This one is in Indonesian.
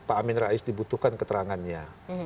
kenapa pak amin raiis dibutuhkan keterangannya